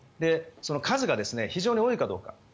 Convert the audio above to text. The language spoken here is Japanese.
数が非常に多いかどうか。